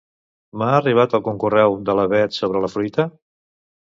M'ha arribat algun correu de la Beth sobre la fruita?